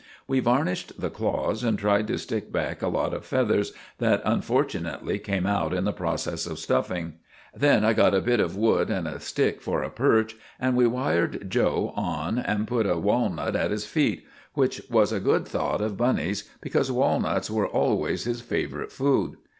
We varnished the claws, and tried to stick back a lot of feathers that unfortunately came out in the process of stuffing. Then I got a bit of wood and a stick for a perch, and we wired 'Joe' on and put a walnut at his feet; which was a good thought of Bunny's, because walnuts were always his favourite food.